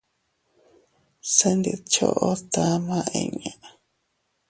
Se ntidchoʼo tama inña.